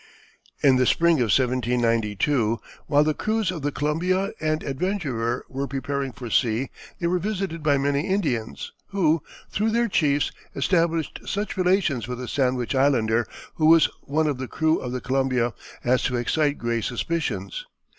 In the spring of 1792, while the crews of the Columbia and Adventurer were preparing for sea they were visited by many Indians, who, through their chiefs, established such relations with a Sandwich Islander, who was one of the crew of the Columbia, as to excite Gray's suspicions.